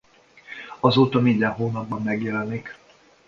Azóta minden hónapban megjelenik.